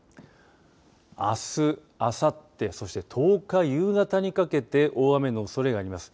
あす、あさってそして１０日夕方にかけて大雨のおそれがあります。